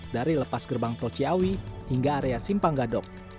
dari lepas gerbang tol ciawi hingga area simpang gadok